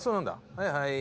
はいはい。